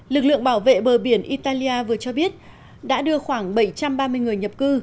lực lượng bảo vệ bờ biển italia vừa cho biết đã đưa khoảng bảy trăm ba mươi người nhập cư